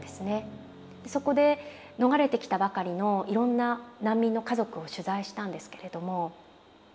そこで逃れてきたばかりのいろんな難民の家族を取材したんですけれども。